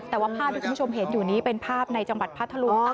แต่ว่าภาพที่คุณผู้ชมเห็นอยู่นี้เป็นภาพในจังหวัดพัทธลุง